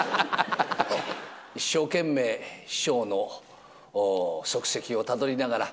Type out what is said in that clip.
一生懸命、師匠の足跡をたどりながら、